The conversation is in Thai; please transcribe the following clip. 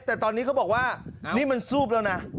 แต่ตอนนี้เขาบอกว่านี่มันซูบแล้วนะ